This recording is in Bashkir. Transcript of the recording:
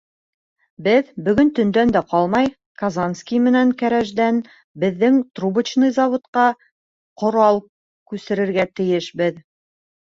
Беҙ, бөгөн төндән дә ҡалмай, Казанский менән Кәрәждән беҙҙең Трубочный заводҡа ҡорал күсерергә тейешбеҙ.